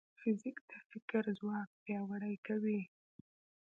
فزیک د فکر ځواک پیاوړی کوي.